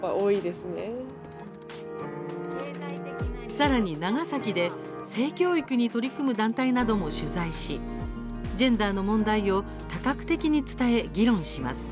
さらに、長崎で性教育に取り組む団体なども取材しジェンダーの問題を多角的に伝え、議論します。